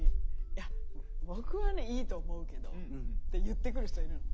「いや僕はねいいと思うけど」って言ってくる人いるの。